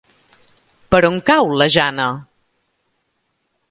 Per on cau la Jana?